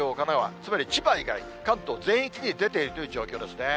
つまり千葉以外、関東全域に出ている状況ですね。